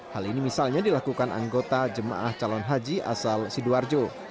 hal ini misalnya dilakukan anggota jemaah calon haji asal sidoarjo